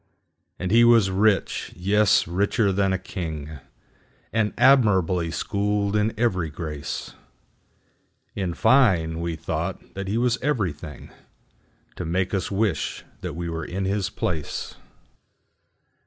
And he was rich,—yes, richer than a king,—And admirably schooled in every grace:In fine, we thought that he was everythingTo make us wish that we were in his place.